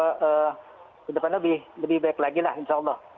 ke depannya lebih baik lagi insya allah